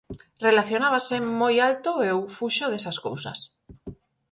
Relacionábase moi alto e eu fuxo desas cousas.